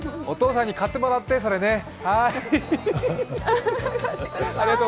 お父さんに買ってもらって、それね。